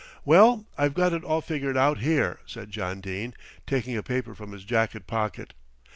"Well, I've got it all figured out here," said John Dene, taking a paper from his jacket pocket.